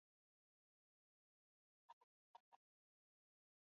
watetezi wa haki za binadamu nchini uganda wametoa taarifa inaonyesha ukiukwaji mkubwa